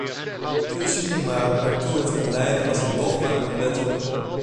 Zo zie je maar waartoe het kan leiden als een dogma een wet wordt.